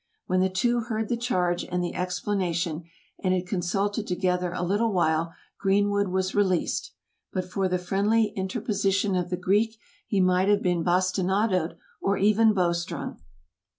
When the two heard the charge and the explanation, and had consulted together a little while, Greenwood was released. But for the friendly interposition of the Greek, he might have been bastinadoed, or even bowstrung.